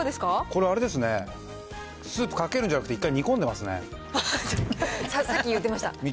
これあれですね、スープかけるんじゃなくて、一回煮込んでまさっき言ってました。